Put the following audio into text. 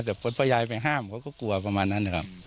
แต่พอยายไปห้ามเขาก็กลัวประมาณนั้นนะครับ